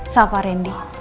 sama pak randy